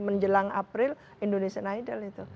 menjelang april indonesian idol itu